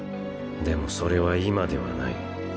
でもそれは今ではない。